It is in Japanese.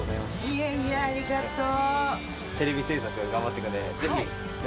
いえいえありがとう。